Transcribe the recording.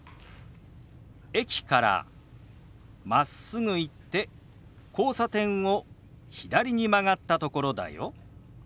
「駅からまっすぐ行って交差点を左に曲がったところだよ」。